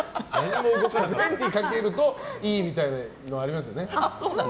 麺にかけるといいみたいのありますよね。